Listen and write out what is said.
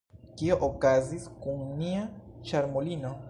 Kio okazis kun nia ĉarmulino?